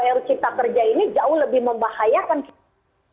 jadi kita kerja ini jauh lebih membahayakan kita